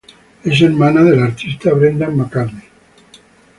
Es hermano del artista Brendan McCarthy.